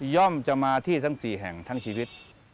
ย่อมจะมาที่ทั้งสี่แห่งทั้งชีวิตนี้